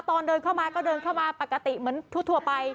ตอนเดินเข้ามาก็เดินเข้ามาปกติเหมือนทั่วไป